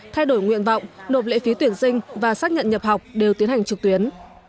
thay đổi nguyện vọng nộp lễ phí tuyển sinh và xác nhận nhập học đều tiến hành trực tuyến